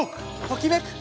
ときめく！